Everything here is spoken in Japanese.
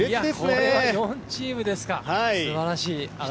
これは４チームですか、すばらしい争い。